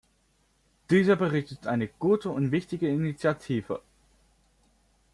Dieser Bericht ist eine gute und wichtige Initiative.